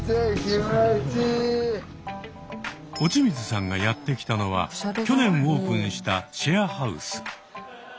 落水さんがやって来たのは去年オープンしたシェアハウス。